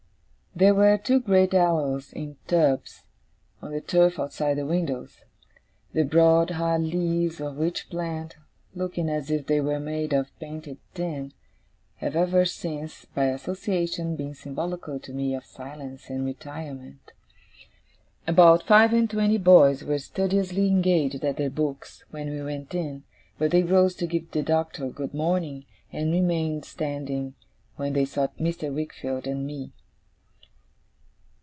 There were two great aloes, in tubs, on the turf outside the windows; the broad hard leaves of which plant (looking as if they were made of painted tin) have ever since, by association, been symbolical to me of silence and retirement. About five and twenty boys were studiously engaged at their books when we went in, but they rose to give the Doctor good morning, and remained standing when they saw Mr. Wickfield and me.